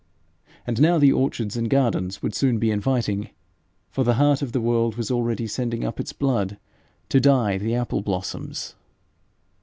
And now the orchards and gardens would soon be inviting, for the heart of the world was already sending up its blood to dye the apple blossoms.